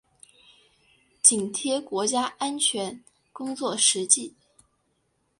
紧贴国家安全工作实际